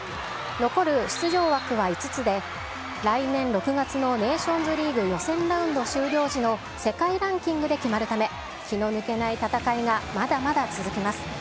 残る出場枠は５つで、来年６月のネーションズリーグ予選ラウンド終了時の世界ランキングで決まるため、気の抜けない戦いがまだまだ続きます。